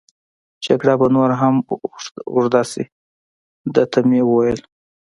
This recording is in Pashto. جګړه به نوره هم اوږد شي، ده ته مې وویل.